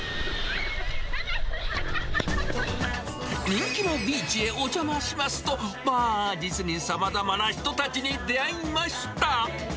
人気のビーチへお邪魔しますと、まあ、実にさまざまな人たちに出会いました。